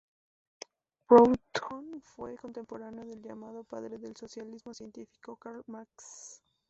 Proudhon fue contemporáneo del llamado padre del socialismo científico Karl Marx.